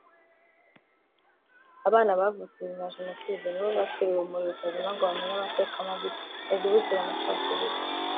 Abana bavutse nyuma ya Jenoside nibo bakira urumuri rutazima ngo bamenye amateka mabi bazibukire amacakubiri